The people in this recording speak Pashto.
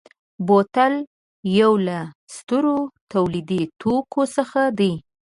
بوتل یو له سترو تولیدي توکو څخه دی.